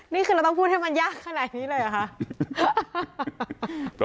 นี่คือเราต้องพูดให้มันยากขนาดนี้เลยเหรอคะ